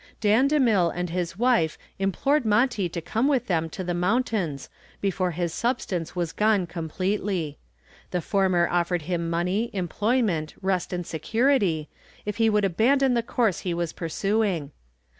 Dan DeMille and his wife implored Monty to come with them to the mountains before his substance was gone completely. The former offered him money, employment, rest and security if he would abandon the course he was pursuing.